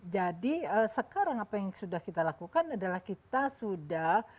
jadi sekarang apa yang sudah kita lakukan adalah kita sudah